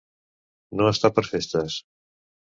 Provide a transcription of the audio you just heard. No estar per festes.